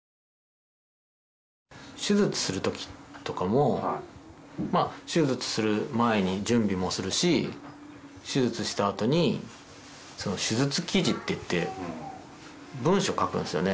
手術するときとかも手術する前に準備もするし手術したあとに手術記事っていって文章を書くんですよね。